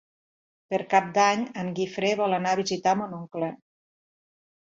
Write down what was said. Per Cap d'Any en Guifré vol anar a visitar mon oncle.